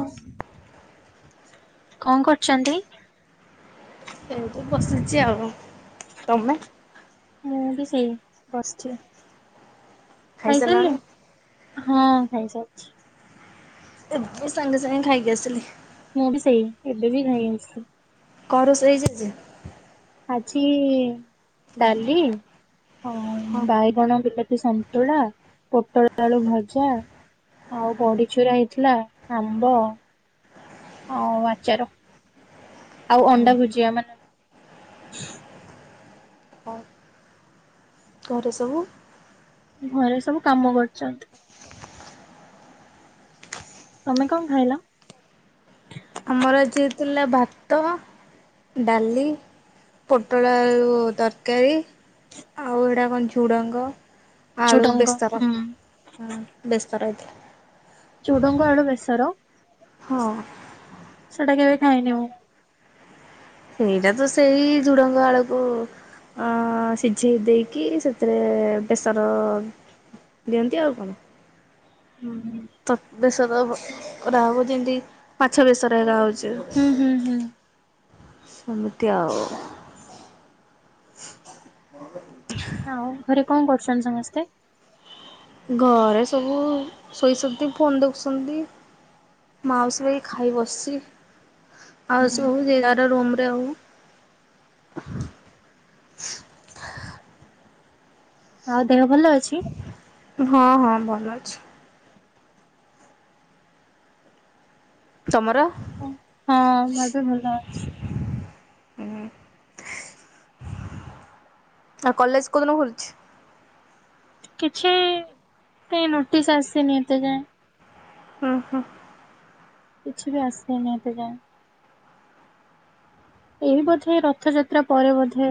[unintelligible] କଣ କରୁଚନ୍ତି? ଏଇଠି ବସିଛି ଆଉ, ତମେ? ମୁଁ ବି ସେଇ ବସିଛି, ଖାଇସାରିଲେ ଖାଇସାରିଲାଣି? ହଁ ଖାଇସାରଛି। ଏ ସାଙ୍ଗେ ସାଙ୍ଗେ ଖାଇକି ଆସିଲି। ମୁଁ ବି ସେଇ ଏବେ ବି ନାଇଁ ଆଥିଲି କଣ ରୋସେଇ ହେଇଚି ଆଜି? ଆଜି ଡାଲି ହଁ ବାଇଗଣ ବିଲାତି ସନ୍ତୁଳା ପୋଟଳ ଆଳୁ ଭଜା ଆଉ ବଡି ଚରୁରା ହେଇଥିଲା ଆମ୍ବ ହଉ ଆଚାର ଆଉ ଅଣ୍ଡା ଭୁଜିିଆ ମାନେ ହଁ ଘରେ ସବୁ ଘରେ ସବୁ କାମ କରୁଛନ୍ତି। ତମେ କଣ ଖାଇଲ? ଆମର ଆଜି ହେଇଥିଲା ଭାତ ଡାଲି ପୋଟଳ ଆଉ ତରକାରୀ ଆଉ ଏଇଡ଼ା କଣ ଝୁଡ଼ଙ୍ଗ ଆଳୁ ଝୁଡଙ୍ଗ ବେସର ହୁଁ। ବେସର ହେଇଥିଲା। ଝୁଡଙ୍ଗ ଆଳୁ ବେସର ହଁ ସେଟା କେବେ ଖାଇନି ମୁଁ। ସେଇଟା ତ ସେଇ ଝୁଡଙ୍ଗ ଆଳୁକୁ ଅ ସିଝେଇ ଦେଇକି ସେଥିରେ ବେସର ଦିଅନ୍ତି ଆଉ କଣ? ହୁଁ ହୁଁ [inaudible] ଯେମତି ମାଛ ବେଶରେ ହେରା ହଉଛି। ହୁଁ ହୁଁ ହୁଁ। ସେମିତି ଆଉ ଆଉ ଘରେ କଣ କରୁଛନ୍ତି ସମସ୍ତେ? ଘରେ ସବୁ ଶୋଇଛନ୍ତି ଫୋନ ଦେଖୁଛନ୍ତି। ମାଉସୀ ଖାଇ ବସିଛି ଆଉ ସବୁ ଯିଏ ଯାର ରୁମରେ ଆଉ ହଁ ଆଉ ଦେହ ଭଲ ଅଛି? ହଁ ହଁ ଭଲ ଅଛି। ତମର? ହଁ ଏବେ ଭଲ ଅଛି। ଆଉ କଲେଜ କେଉଁଦିନ ଖୋଲୁଛି? କିଛି କେହି ନୋଟିସ୍ ଆସିନି ଏତେ ଯାଏଁ ହୁଁ ହୁଁ କିଛି ବି ଆସେନି ଏତେ ଯାଏ ଏ ବୋଧେ ରଥଯାତ୍ରା ପରେ ବୋଧେ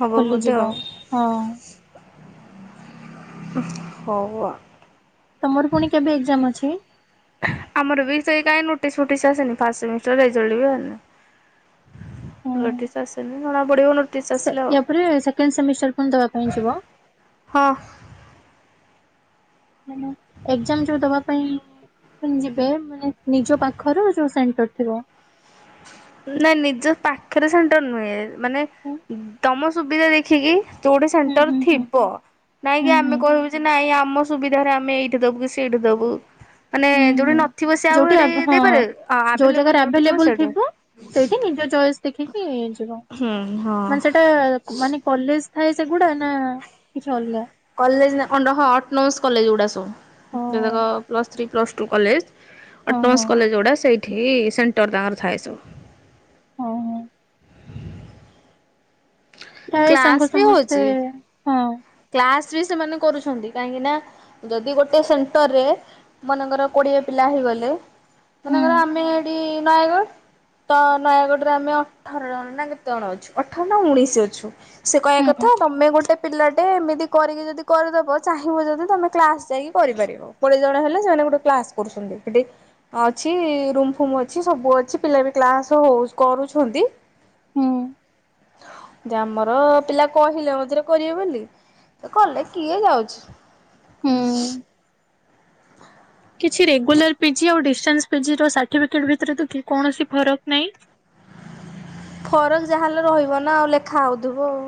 ହବ ବୋଧେ ଖୋଲିଯିବ ଆଉ ହଁ ହଉ ଆଉ। ତମର ପୁଣି କେବେ ଏକ୍ଜାମ ଅଛି? ଆମର ବି ସେଇ କାହିଁ ନୋଟିସ୍ ଫୋଟିସ୍ ଆସନି ଫାଷ୍ଟ ସେମିଷ୍ଟର ରେଜଲ୍ଟ ବି ବାହାରିନି ହଁ। ନୋଟିସ ଆସିନି ଜଣା ପଡିବ ନୋ ସେ ୟା ପରେ ସେକଣ୍ଡ ସେମିଷ୍ଟର ପୁଣି ଦବା ପାଇଁ ଯିବ? ହଁ ଏକ୍ଜାମ ଯୋଉ ଦବା ପାଇଁ ଯିବେ ମାନେ ନିଜ ପାଖର ଯୋଉ ସେଣ୍ଟର ଥିବ ନାଇଁ ନିଜ ପାଖରେ ସେଣ୍ଟର୍ ନୁହେଁ ମାନେ ହୁଁ ତମ ସୁବିଧା ଦେଖିକି ଯୋଉଠି ହୁଁ ସେଣ୍ଟର ହୁଁ ଥିବ ନାଇଁ ହୁଁ କି ହୁଁ। ଆମେ କହିବୁ ଯେ ନାଇଁ ଆମ ସୁବିଧାରେ ଆମେ ଏଇଠି ଦବୁ କି ସେଇଠି ଦବୁ ମାନେ ହୁଁ ଯୋଉଠି ହୁଁ ନଥିବ ସେ ଆଉ ଯୋଉଠି ସେଠି ଆବ ହଁ ଦେଇପାରେ ଯୋଉ ଜାଗାରେ ଆଭେଲେବୁଲ ଯୋଉଠି ଥିବ ଆଭେଲେବୁଲ ସେଠି ସେଇଠି ନିଜ ଚଏସ୍ ଦେଖିକି ଯିବ ହୁଁ ହଁ ମାନେ ସେଇଟା ମାନେ କଲେଜ ଥାଏ ସେଗୁଡା ନା କିଛି ଅଲଗା? କଲେଜ ଅ ହଁ ଅଟୋନୋମସ୍ କଲେଜ ଗୁଡ଼ା ସବୁ ଓହୋ ଯେତକ plus three plus two college. ହଁ ହଁ ଅଟୋନମସ କଲେଜ ଗୁଡା ସେଇଠି ସେଣ୍ଟର ତାଙ୍କର ଥାଏ ସବୁ। ଓଁ ହୋ। ପ୍ରାୟ ସାଙ୍ଗ ସମସ୍ତେ ହଁ। କ୍ଲାସରେ ସେମାନେ କରୁଚ଼ନ୍ତି କାହିଁକି ନା ଯଦି ଗୋଟେ ସେଣ୍ଟର ରେ ମନେକର କୋଡିଏ ପିଲା ହେଇଗଲେ ହୁଁ ମନେକର ଆମେ ଏଠି ନୟା ଗଡ଼ ତ ନୟାଗଡରେ ଆମେ ଅଠର ଜଣ ନା କେତେ ଜଣ ଅଛୁ ଅଠର ନା ଉଣେଇଶି ଅଛୁ। ସେ କଇଆ ହୁଁ କଥା ତମେ ଗୋଟେ ପିଲାଟ୍ କରିକି ଯଦି କରିଦବ ଚାହିଁ ବ ଯଦି ତମେ କ୍ଲାସ ଯାଇକି କରିପାରିବ। ଜଣେ ହେଲେ ସେମାନେ ଗୋଟେ କ୍ଲାସ କରୁଚନ୍ତି। ସେଠି ଅଛି ରୁମ ଫୁମ ଅଛି ସବୁ ଅଛି ପିଲା ବି କ୍ଳାସ ହଉ କରୁଚନ୍ତି। ହୁଁ। ଯେ ଆମର ପିଲା କହିଲେ ମଝିରେ କରିବେ ବୋଲି ତ କଲେ କିଏ ଯାଉଚି। ହୁଁ। କିଛି ରେଗୁଲାର ପିଜି ଆଉ ଡିଷ୍ଟାନ୍ସ ପିଜି ର ସାର୍ଟିଫିକେଟ ଭିତରେ ତ କି କୌଣସି ଫରକ ନାହିଁ। ଫରକ ଯାହାହେଲେ ରହିବ ନା ଆଉ ଲେଖା ହଉଥିବ ଆଉ।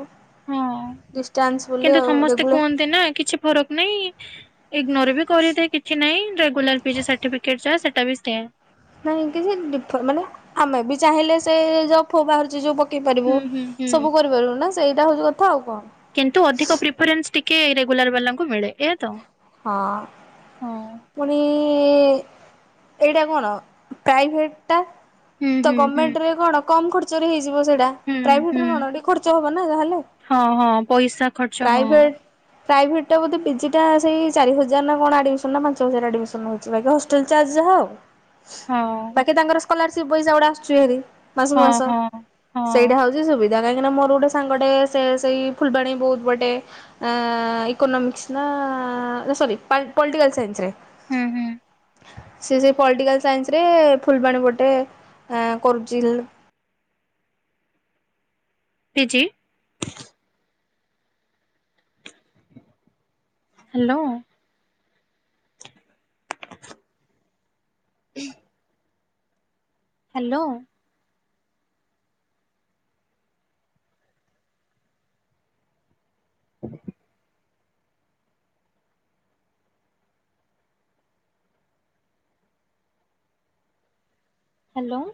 ହଁ ଡିଷ୍ଟାନ୍ସ ବୋଲି କିନ୍ତୁ ଆଉ ସମସ୍ତେ ରେଗୁଲା କୁହନ୍ତି ନା କିଛି ଫରକ ନାଇଁ। ଇଗ୍ନୋର ବି କରିଦେ କିଛି ନାଇଁ ଦେଗ୍ ଗୋଲାର ପିଜି ସାର୍ଟିଫିକେଟ ଯା ସେଟା ବି ସେଇଆ। ନାଇଁ କିଛି ଡିଫର ମାନେ ଆମେ ବି ଚାହିଁଲେ ସେ ଜବ ପବ୍ ବାହାରୁଚି ଯୋଉ ପ ପକେଇ ପାରିବୁ ହୁଁ ହୁଁ ହୁଁ। ସବୁ କରିପାରିବୁ ନା ସେଇଟା ହଉଚି କଥା ଆଉ କଣ। କିନ୍ତୁ ଅଧିକ ପ୍ରିଫରେନ୍ସ ଟିକେ ରେଗୁଲାର ବାଲାଙ୍କୁ ମିଳେ ଏହା ତ। ହଁ। ହଁ। ପୁଣି ଏଇଟା କଣ ପ୍ରାଇଭେଟ୍ ଟା। ହୁଁ ତ ହୁଁ ହୁଁ ଗର୍ମଣ୍ଟେ ରେ କଣ କମ୍ ଖର୍ଚ୍ଚ ରେ ହେଇଯିବ ସେଇଟା। ହୁଁ ପ୍ରାଇଭେଟ ହୁଁ ର କଣ ଟିକେ ଖର୍ଚ୍ଚ ହବ ନା ଯାହେଲେ ହଁ ହଁ ପଇସା ଖର୍ଚ୍ଚ ହଁ। ପ୍ରାଇଭେଟ୍ ପ୍ରାଇଭେଟଟା ବୋଧେ ପିଜିଟା ସେଇ ଚାରି ହଜାର ନା କଣ ଆଡିମିଶନ ନା ପାଞ୍ଚ ହଜାର ଆଡ଼ମିଶନ ହଉଛି ବାକି ହଷ୍ଟେଲ ଚାର୍ଜ ଯାହା ଆଉ। ହାଁ। କି ତାଙ୍କର ସ୍କଲାରସିପ୍ ପଇସା ଗୁଡ଼ା ଆସୁଛି ହାରି ମାସକୁ ହଁ ମାସ, ହଁ ହଁ ସେଇଟା ହଉ କିଛି ସୁବିଧା କାହିଁକିନା ମୋର ଗୋଟେ ସାଙ୍ଗଟେ ସେଇ ଫୁଲବାଣୀ ବହୁତ ବଟେ ଆ ଇକୋନୁମିକସ୍‌ନା ସରି ପଲ୍ ପଲିଟିକାଲ ସାଇନ୍ସ ରେ। ହୁଁ ହୁଁ। ସେ ସେହି ପଲିଟିକାଲ ସାଇନ୍ସରେ ଫୁଲବାଣୀ ପଟେ କରୁଚି ପିଜି ହ୍ୟାଲୋ। ହଁ। ହ୍ୟାଲୋ। ହ୍ୟାଲୋ।